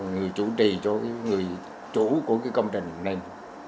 người chủ trì người chủ của cái công trình này